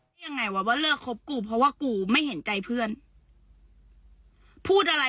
จะไม่ให้กูใช้ชีวิตเลย